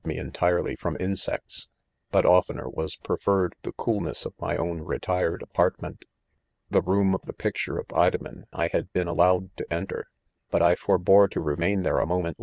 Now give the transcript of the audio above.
me _entirely from insects^, but 'oftener was preferred the ■eoolness of my own retired apartment. • The 16 210 IDOMEN. room of the picture of Fdomen I had been al° lowed to enter 3 but i forbore to remain there a moment lor.